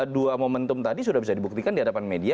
dua momentum tadi sudah bisa dibuktikan di hadapan media